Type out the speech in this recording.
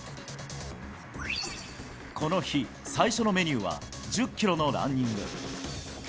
この日、最初のメニューは１０キロのランニング。